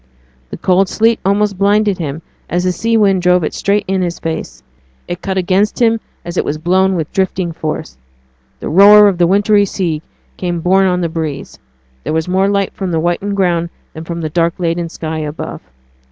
The cold sleet almost blinded him as the sea wind drove it straight in his face; it cut against him as it was blown with drifting force. The roar of the wintry sea came borne on the breeze; there was more light from the whitened ground than from the dark laden sky above.